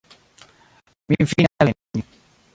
- Mi finfine alvenis